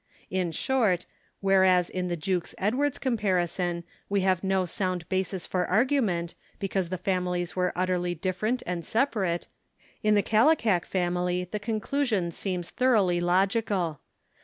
In short, whereas in the Jukes Edwards comparison we have no sound basis for argument, because the fam ilies were utterly different and separate, in the Kallikak family the conclusion seems thoroughly logical.